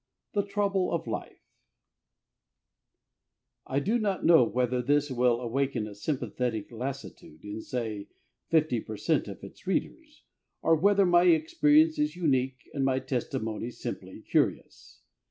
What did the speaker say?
THE TROUBLE OF LIFE I do not know whether this will awaken a sympathetic lassitude in, say, fifty per cent. of its readers, or whether my experience is unique and my testimony simply curious.